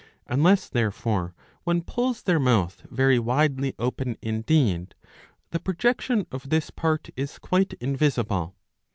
Unless therefore one pulls their mouth very widely open indeed, 660 b. "• I/ 55 the projection of this part is quite invisible.